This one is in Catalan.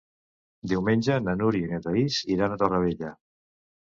Diumenge na Núria i na Thaís iran a Torrevella.